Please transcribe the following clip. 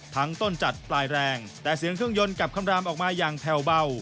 ต้นจัดปลายแรงแต่เสียงเครื่องยนต์กลับคำรามออกมาอย่างแผ่วเบา